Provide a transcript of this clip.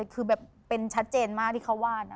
คือแบบเป็นชัดเจนมากที่เขาว่านะ